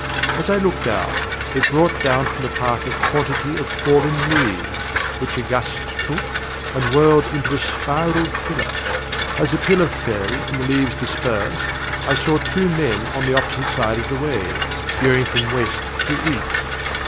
As I looked out, it brought down from the Park a quantity of fallen leaves, which a gust took, and whirled into a spiral pillar. As the pillar fell and the leaves dispersed, I saw two men on the opposite side of the way, going from West to East.